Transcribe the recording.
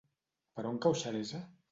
Per on cau Xeresa?